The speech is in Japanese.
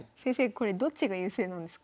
これどっちが優勢なんですか？